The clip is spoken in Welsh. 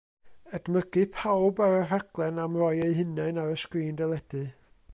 Edmygu pawb ar y rhaglen am roi eu hunain ar y sgrîn deledu.